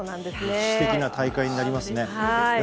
歴史的な大会になりますね。